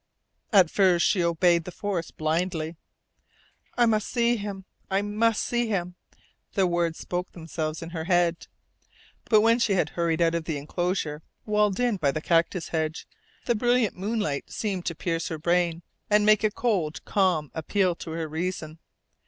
At first she obeyed the force blindly. "I must see him! I must see him!" The words spoke themselves in her head. But when she had hurried out of the enclosure walled in by the cactus hedge, the brilliant moonlight seemed to pierce her brain, and make a cold, calm appeal to her reason.